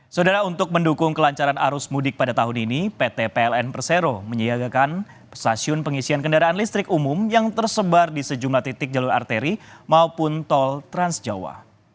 saudara untuk mendukung kelancaran arus mudik pada tahun ini pt pln persero menyiagakan stasiun pengisian kendaraan listrik umum yang tersebar di sejumlah titik jalur arteri maupun tol trans jawa